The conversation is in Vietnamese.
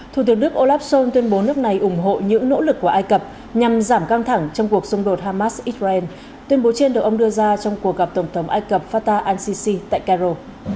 thủ tướng đức olaf scholz tuyên bố nước này ủng hộ những nỗ lực của ai cập nhằm giảm căng thẳng trong cuộc xung đột hamas israel tuyên bố trên được ông đưa ra trong cuộc gặp tổng thống ai cập fatah al sisi tại cairo